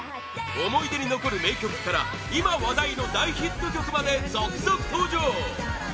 思い出に残る名曲から今話題の大ヒット曲まで続々登場！